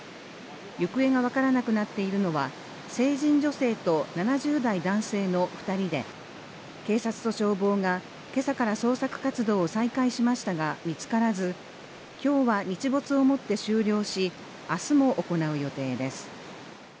行方が分からなくなっているのは、成人女性と７０代男性の２人で警察と消防が今朝から捜索活動を再開しましたが見つからず、今日は日没をもって終了し明日も行う予定です。